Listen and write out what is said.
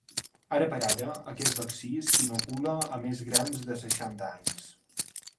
Ara per ara, aquest vaccí s’inocula a més grans de seixanta anys.